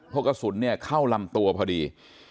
เพราะกระสุนเนี่ยเข้าลำตัวพอดี